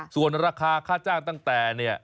ส่วนราคาค่าจ้างตั้งแต่เนี่ย